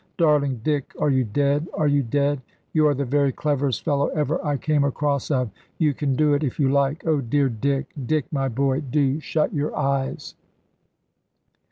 Darling Dick, are you dead, are you dead? You are the very cleverest fellow ever I came across of. You can do it, if you like. Oh, dear Dick, Dick, my boy, do shut your eyes!"